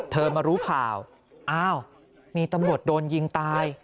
เธอมารู้ข่าวอ้าวมีตะหมดโดนยิงตาย